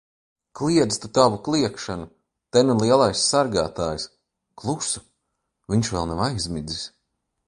Kliedz tu tavu kliegšanu! Te nu lielais sargātājs! Klusu. Viņš vēl nav aizmidzis.